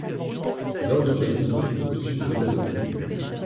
Nord du Brésil au sud de l’Amazone.